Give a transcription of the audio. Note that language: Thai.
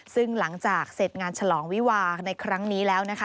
ซึ่งหลังจากเสร็จงานฉลองวิวาในครั้งนี้แล้วนะคะ